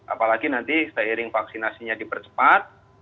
apalagi nanti seiring vaksinasinya dipercepat